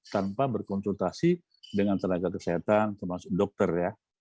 tanpa berkonsultasi dengan tenaga kesehatan termasuk dokter ya